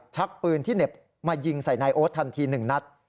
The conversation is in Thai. ชักปืนที่เหน็บมายิงใส่นายโอ๊ตทันที๑นัด